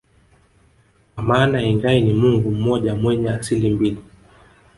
kwa maana Engai ni mungu mmoja mwenye asili mbili